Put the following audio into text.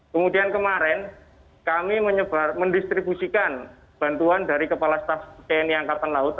kemudian kemarin kami mendistribusikan bantuan dari kepala staf tni angkatan laut